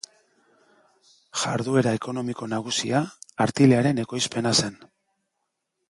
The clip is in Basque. Jarduera ekonomiko nagusia, artilearen ekoizpena zen.